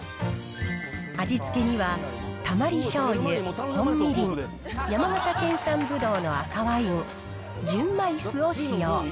味付けにはたまりしょうゆ、本みりん、山形県産ぶどうの赤ワイン、純米酢を使用。